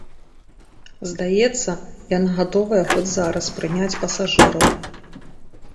Здаецца, яна гатовая хоць зараз прыняць пасажыраў.